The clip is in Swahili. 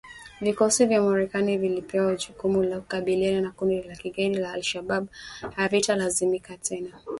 Vikosi vya Marekani vilivyopewa jukumu la kukabiliana na kundi la kigaidi la al-Shabab havitalazimika tena